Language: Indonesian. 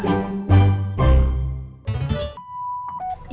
saya suka mual kalau kena ac